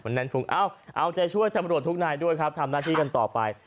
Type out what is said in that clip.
เราจะช่วยตำรวจทุกนายด้วยครับทำหน้าที่กันต่อไป